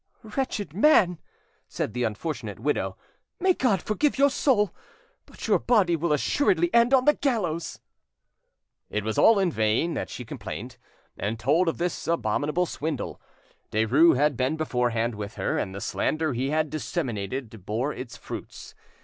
"Wretched man," said the unfortunate widow, "may God forgive your soul; but your body will assuredly end on the gallows!" It was in vain that she complained, and told of this abominable swindle; Derues had been beforehand with her, and the slander he had disseminated bore its fruits.